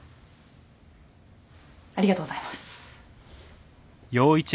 ありがとうございます。